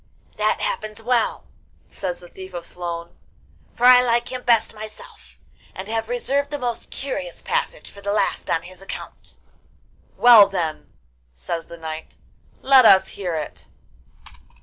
'That happens well,' says the Thief of Sloan, 'for I like him best myself, and have reserved the most curious passage for the last on his account.' 'Well, then,' says the knight, 'let us hear it.